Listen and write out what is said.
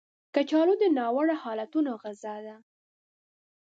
کچالو د ناوړه حالتونو غذا ده